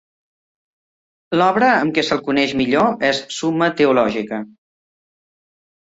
L'obra amb què se'l coneix millor és "Summa Theologica".